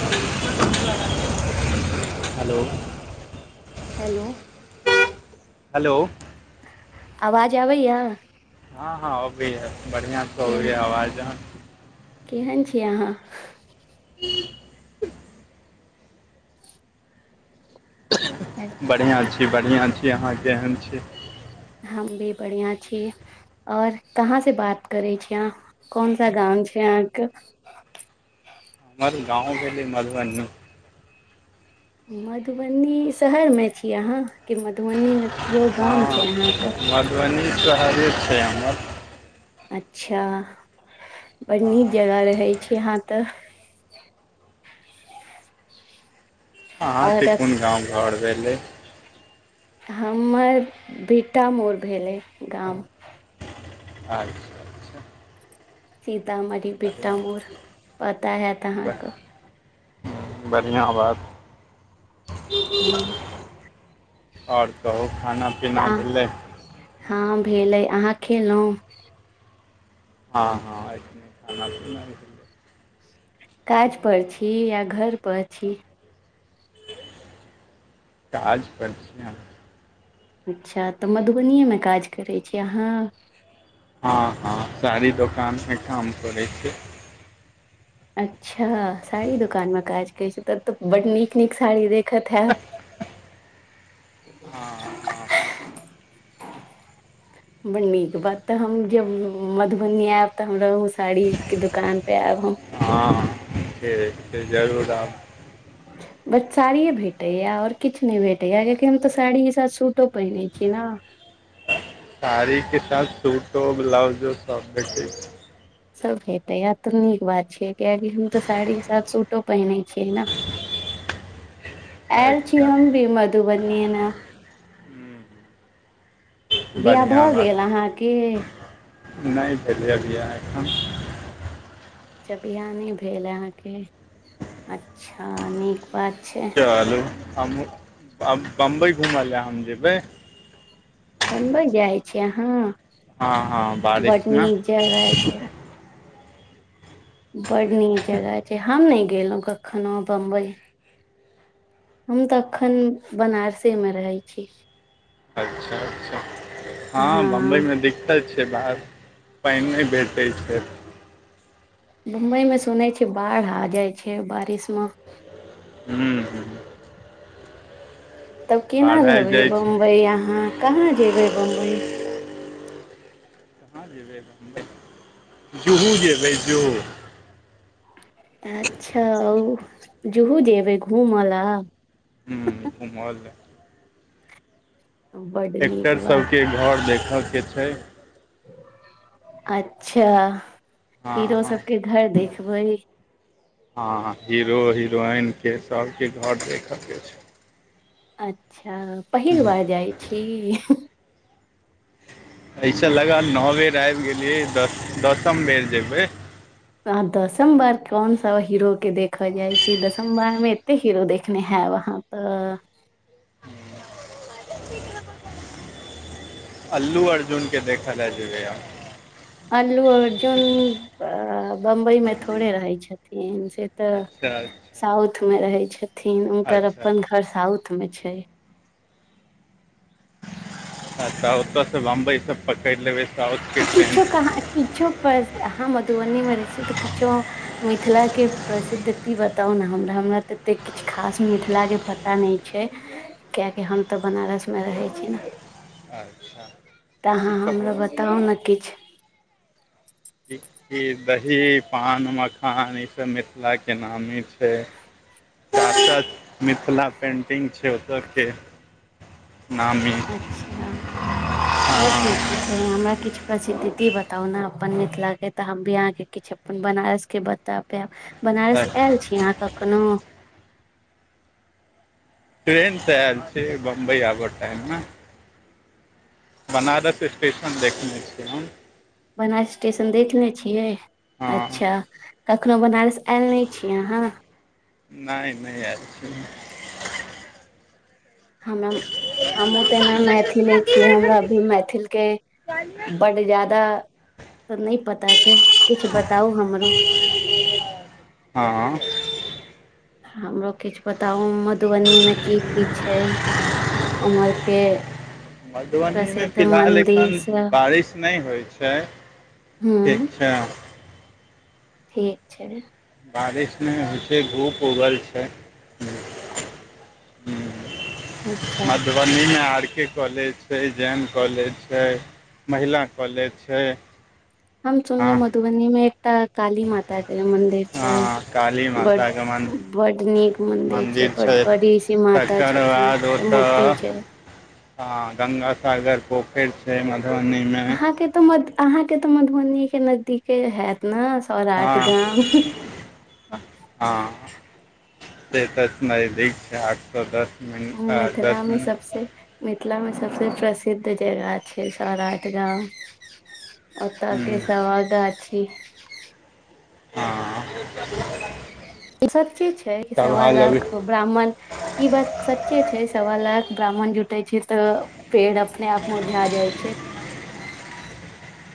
Hello [inaudible] hello hello hello आवाज आबैया [inaudible] हँ हँ ओबइया है बढ़ियां से के ओबइया है आवाज हन केहन छी अहाँ [inaudible] [inaudible] [inaudible] बढ़िआँ छी बढ़िआँ छी अहाँ केहन छी हम भी बढ़िया छी और कहाँ से बात करे छी अहाँ कोन सा गाम छी अहाँ के हमर गाँव भेले मधुबनी मधुबनी शहर मे छी अहाँ की मधुबनी मे केओ गाम हँ छै अहाँ के [inaudible] मधुबनी श हरे छै हमर अच्छा बड़ नीक हँ जगह रहै छी अहाँ तऽ [inaudible] अहाँके और कोन गाव घर भेलै हमर भि्टा मोर भेलै गाम [inaudible] अच्छा अच्छा सीतामढ़ी बढ़िआँ भिट्टामोर पता हयत ब- अहाँके बढ़िआँ [inaudible] बात [inaudible] हँ ओर कहू खाना तऽ पीना अहाँ भेलै हँ भेलै अहाँ खेलो हँ हँ [unintelligible] काज करें छी या घर पर छी काज पर छियै हम अच्छा तऽ मधुबनिए मे काज करैत छी अहाँ हँ हँ सारी दुोकान मे काम करे छ अच्छा साड़ी दुकान में काज कर छी ते बड नीक नीक साड़ी र कथा हँ हँ बड़ नीक बात तऽ हम जब मधुबनी आयब तऽ हमरा साड़ी के दुकान पे आयब हम हँ ठीक छै जरूर आब [inaudible] बस साड़िये भेटैया आओर किछु नय भेटैया कियाकि हम तऽ साड़ीक के साथ सूटो पहिरैत छी न साड़ी के साथ सूटो ब्लाउजो सब बठे छै सब भटेइ या तऽ नीक बात छीयै कियकि हम तऽ साड़ीके साथ सूटो पहिनै छियै न आयल छी अच्छा हम भी मधुबनी एने हूँ बिआाह भऽ गेल अहाँके नौ भजय बिहा एखन अच्छा बिहा नौ भेल अहाके अच्छा नीक बात छै चलू हम बम्बइ घुमऽ लए हम जेबै बम्बई जाइ छी यहाँ हँ हँ बड बारिशमे हँ नीक जगह छै बड नीक जगह छै हम नय गेलहुं कखनो बम्बे हम तऽ एखन बनारसे मे रहै छी अच्छा अच्छा हँ बम्बइ मे दिक्कत छै बाहर पानि नय भेटैत छै बम्बई मे सुनै छ बाढ़ आ जाइ छै बारिश मे हू ह तब केना बाढ़ि आबि रहबे जाइ वहा छै बम्बई अहाँ कहाँ जेबे बम्बई जूहू जेबे जुहू अच्छा जहू जेबै घूमय ल हु घमल ला बड नीक एक्टर बात सबके घर देखऽके छै अच्छा हँ हीरो हँ सबके घर देखबै हा हीरो हिरोइन के सबके घर देखय के छै अच्छा पहिल छै बार जाइ छी एहिस लगा न ओ बेर आबि गेलिये दसम बेर जेबे अ दसम बार कोन सा हीरो के देखल जाइ छे दसम बार मे ते हीरो देखने हेब अहाँ त अल्लू अर्जुन के देखे लए जेबेए आब अल्लू अर्जुन बम्बई में थोड़े रहे छथिन त‌ अच्छा अच्छा साउथ मे रहे छतिन हुनकर अच्छा अपन घर साउथ मे छे आ त ओ त से बम्बइ सब पकड़ ले बे त किछो कहाँ किछो पर अहाँ मधुबनी मे रहे छिय त किछो मिथिला के प्रसिद्ध ती बताउ ने हमरा हमरा तते किछु खास मिथिला के प पता ने छे किया कि हम त बनारस मे रहे छी ने अच्छा की त अहाँ हमरा कहब बताउ न किछ टिक्की दही पान मखान ई सब मिथिला के नामी छैय [unintelligible] मिथिला पेंटिंग छै ओत के नामी अच्छा आ ओर की की छै हमरा किछी प्रसितिति बताउ न अपन मिथिला के त हम भी अहाँ के किछ अ अपन बनारस के बता पायब हँ बनारस आयल छी अहाँ कखनो ट़ेरेन स आल छी बम्बई आब टाइम मे बनारस स्टेशन देखने छियै हम बनास स्टेशन देखनेे छियै हँ अच्छा कखनो बनारस आयल नै छियै आहाँ नय नै आयल छी हम हमहूँ त ना मैथिले छियै हमरा अभी मैथिल के बड जदा त नै पता छै किछ बताउ हमरो हाँ हाँ हमरो किछ बताउ मधुबनीमे की की छै उमहर के मधुबनीमे प्रसिद्ध फिलहाल एखन मन्दिर स बारिश नै होइ छै हूं ईछा ठीक छै बारिश नै होइ छै धुप उगल छै अच्छा मधुबनी मे आर के कॉलेज छै जेम कॉलेज छै महिला कॉलेज छै हम हँ सुनलौं मधुबनी मे एक त काली माता के मंदिर छाय हँ काली माता बड के मन बड नीक मंदिर छै पर बड़ी सी माता छथिन के मुरती छै हाँ गंगा सागर पोखैर छै मधुबनी मे अहके तऽ आहाँ के तऽ मधुबनी के नजदीके हयत न हँ सौराठ गाम। हँ से तऽ [unintelligible] छै। आ तऽ दस मिनट आ दस मिनट से मिथिलामे सबसे प्रसिद्ध जगह छै। सौराठ गाम ओतऽ के हूँ सभा गाछी। हँ। ई सब कि छै कि सवा सभा लग लाख ब्राह्मण ई बात सच्चे छे सवा लाख ब्राह्मण जुटै छै त पेड़ अपने आप मुरझा जाइ छै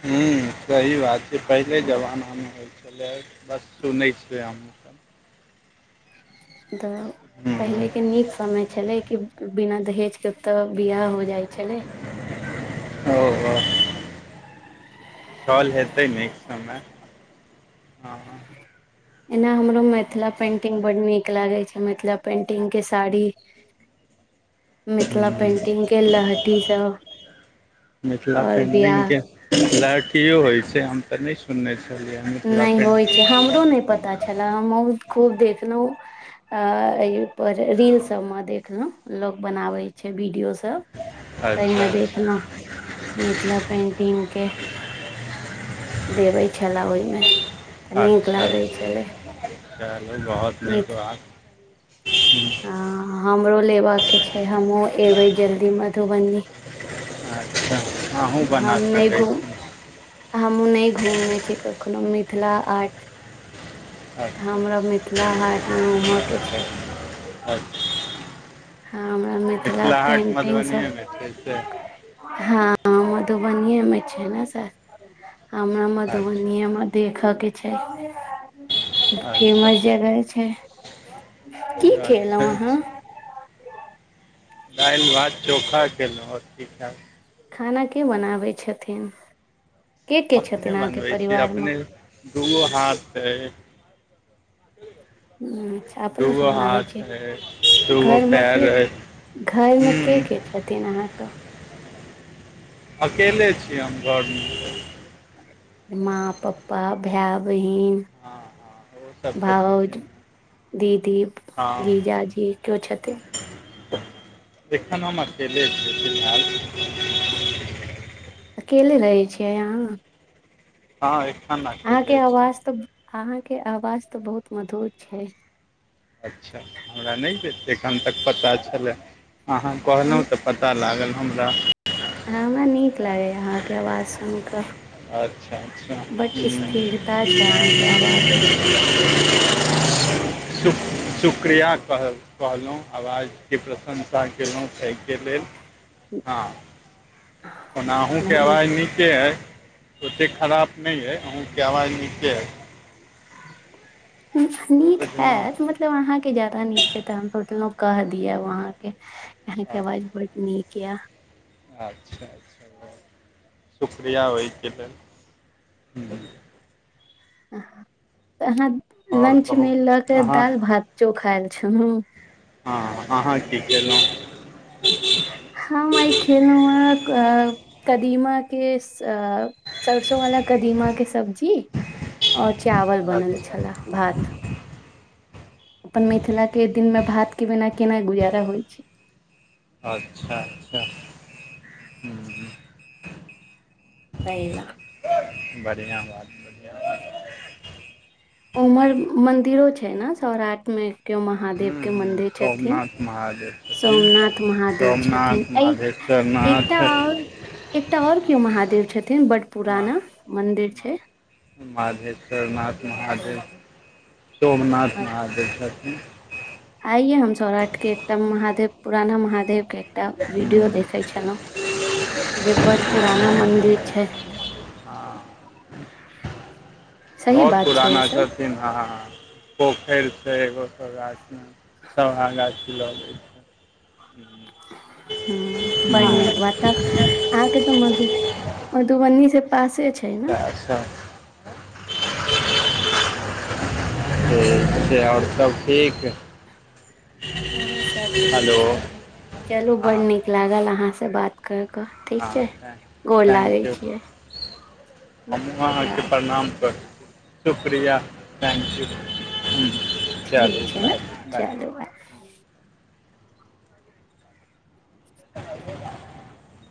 हूँ सही बात छै पहिले जमाना मे होइ छलै बस सुनै छियै हमहूँ सब द हूँ पहिले के नीक समय छलै कि बिना दहेज केत बियाह हो जाइ छलै ओ हो छल हेतै निक समय हँ हँ एना हमरो मैथला पेंटिंग बड नीक लागै छै। मैथला पेंटिंग के साड़ी मिथिला पेंटिंग के लहटी सब। मिथिला आओर पेंटिंग बियाह। के लहठियो होय छै हम तऽ नै सुनने छलिया नय होइ छै हमरो नय पता छै छले हम खूब देखलहुं पर रील सब मे देख देख लो लोग बनाबे छै वीडियो सब अच्छा तैहमे देखलहुँ मिथिला पेन्टिंग के देबै छलै ओहिमे तऽ नीक अच्छा लगैत छलै चलू बहुत नीक मिथ बात [inaudible] ह हँ हमरो लेबकऽ छै हमहूँ एबै जल्दी मधुबनी त अहुँ बना सकै छी हमहुँ नय घूमने छी कखनो मिथिला हार्ट मिथिला [inaudible] हाटमे घूमयके छै अच्छाच्छा अच्छा हँ हमरा मिथिला हाट पेन्टिंगसभ मधुबनिएमे छै से हँ मधुबनीे मे छै ने सर हमरा मधुबनीे अच्छा मे देखऽ के छै अच्छा फेमस जगह छै की अच्छा खेलहु अच्छा अहाँ दाल भात चोखा खेलो और की खैब खाना के बनाबै छथिन के के छथिन अहाँके परिवार म [inaudible] दो हाथ यै ह अपने सँ दूगो बनाबै हाथ अइ छियै दूगो घर मे पैर के अइ घर मे के ह्म के छथिन अहाँके अकेले छी हम घर मे माँ पप्पा भाय बहिन [inaudible] हँ हँ ओ सब तऽ छथिन भाउज है दीदी जीजाजी केओ छथिन [inaudible] एखन हम अकेले छी फिलहाल अकेले रहै छियै अहाँ हँ ऐखन अ अहाँके आवाज तऽ अहाँके आवाज तऽ बहुत मधुर छै अच्छा हमरा नय दे एखन तक पता छला अहाँ हम कहलो तऽ [inaudible] पता लागल हमरा हमरा नीक लागैया अहाँके आवाज सुन कऽ [inaudible] अच्छा अच्छा [inaudible] [inaudible] बड स्थिरता छै अहाँके आवाजमे शुक्रिया कह कहलो आवाजके प्रशंसा केलो तम के छैके लेल हँ [inaudible] [inaudible] ओना अहूँके नहि आवाज नीके अइ ओतेक खराब नय अइ अहूँके आवाज नीके अइ [unintelligible] नीक बुझलहुँ हैत बट मतलब अहा के जदा नीक छै त हम सोचलो कह दिय अब आहां के अहां के आवाज बड निक या अच्छा शुक्रिया ओइ के लेल अहाँ आओर लंच मे कहू लऽ के अहाँ दाल भात चोखा आएल छलू हँ अहाँ की कलो हम अइ खेनू य कदीमा के अ सरसों वाला कदीमा के सब्जी और चावल बनल अच्छा छले भात अपन मिथिला के दिन मे भात के बिना केना गुजारा होइ छै [inaudible] अच्छा अच्छा तहीला बढ़िआँ बात बढ़िआँ बात ओमहर मन्दिरो छै ने सौराठ मे केयो हूँ महादेव के हूँ मन्दिर छथिन सोमनाथ महादेव छथिन सोमनाथ महादेव छथिन सोमनाथ ए [unintelligible] एकटा और केयो महादेव छथिन बड पुराना मंदिर छै मधेश्वरनाथ महादेव सोमनाथ महादेव छथिन आइए हम सौराठ के एकटा महादेव पुराना महादेव के एकटा वीडियो हूँ देखे छलहुँं जे बड पुराना मंदिर छै हँ [inaudible] सही बहुत बात छै ई पुराना सब छथिन ह पोखैर छै एगो [unintelligible] त सभा गाछी लऽ लै छै हु बढ़ निक हूँ बात ता आहाके तऽ मधु मधुबनी से पासे छै [unintelligible] [unintelligible] ने आओर सब ठीक हँ सब हेलो ठीक छै चलू हँ बड़ नीक लागल अहां से बात क कऽ ठीक छै हँ गोर लागे छियै हमहूं अहाँके राख प्रणाम करै छी शुक्रिया थैंक्यू ह ठीक चलू छै ने ब बाय चलू [unintelligible]